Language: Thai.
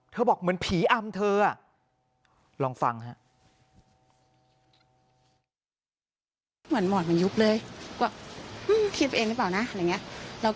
บอกเหมือนผีอำเธอลองฟังฮะ